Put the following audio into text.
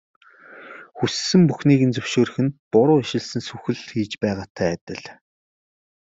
Хүссэн бүхнийг нь зөвшөөрөх нь буруу ишилсэн сүх л хийж байгаатай адил.